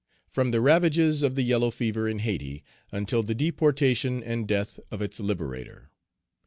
FROM THE RAVAGES OF THE YELLOW FEVER IN HAYTI UNTIL THE DEPORTATION AND DEATH OF ITS LIBERATOR.